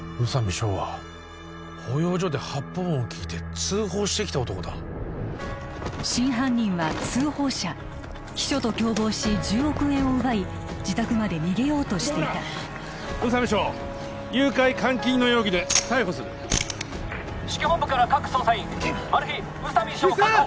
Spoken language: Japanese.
翔は保養所で発砲音を聞いて通報してきた男だ真犯人は通報者秘書と共謀し１０億円を奪い自宅まで逃げようとしていた宇佐美翔誘拐監禁の容疑で逮捕する至急本部から各捜査員行けマル被宇佐美翔を確保